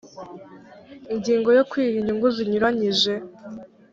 ingingo ya kwiha inyungu zinyuranyije